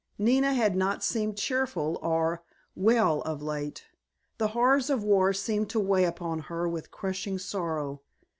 Nina had not seemed cheerful or well of late. The horrors of war seemed to weigh upon her with crushing sorrow.